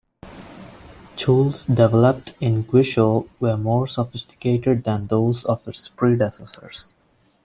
Tools developed in Gwisho were more sophisticated than those of its predecessors.